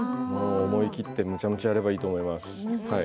思い切ってめちゃめちゃやればいいと思います。